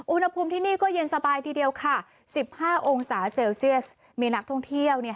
อุณหภูมิที่นี่ก็เย็นสบายทีเดียวค่ะสิบห้าองศาเซลเซียสมีนักท่องเที่ยวเนี่ย